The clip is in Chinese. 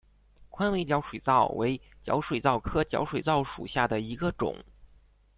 宽尾角水蚤为角水蚤科角水蚤属下的一个种。